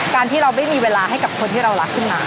การที่เราไม่มีเวลาให้กับคนที่เรารักขึ้นมา